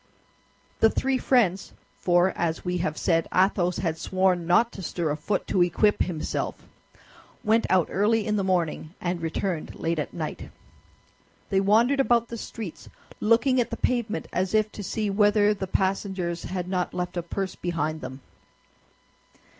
The three friends—for, as we have said, Athos had sworn not to stir a foot to equip himself—went out early in the morning, and returned late at night. They wandered about the streets, looking at the pavement as if to see whether the passengers had not left a purse behind them.